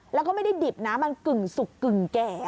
แล้วก็ไม่ได้ดิบนะมันกึ่งสุกกึ่งแก่